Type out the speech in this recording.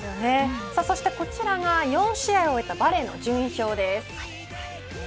そして、こちらが４試合を終えたバレーの順位表です。